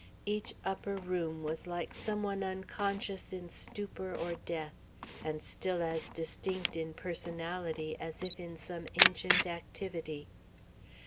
Each upper room was like some one unconscious in stupor or death, and still as distinct in personality as if in some ancient activity.